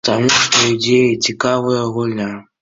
Таму што ідзе цікавая гульня.